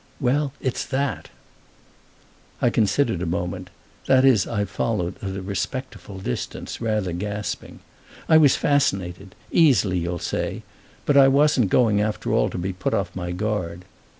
Well, it's that!" I considered a moment—that is I followed at a respectful distance, rather gasping. I was fascinated—easily, you'll say; but I wasn't going after all to be put off my guard.